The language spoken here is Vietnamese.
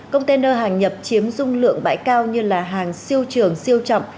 container hàng nhập chiếm dung lượng bãi cao như hàng siêu trường siêu trọng